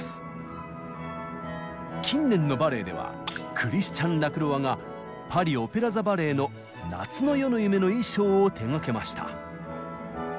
近年のバレエではクリスチャン・ラクロワがパリオペラ座バレエの「夏の夜の夢」の衣装を手がけました。